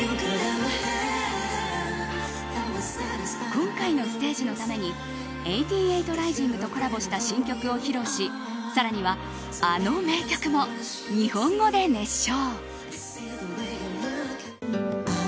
今回のステージのために８８ｒｉｓｉｎｇとコラボした新曲を披露し更には、あの名曲も日本語で熱唱。